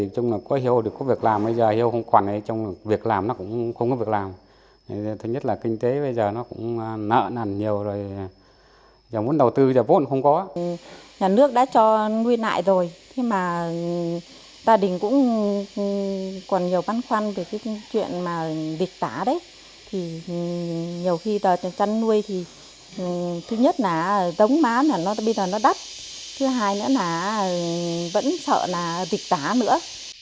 còn nhiều băn khoăn về chuyện dịch tả nhiều khi đợt chăn nuôi thứ nhất là giống má bây giờ nó đắt thứ hai nữa là vẫn sợ dịch tả nữa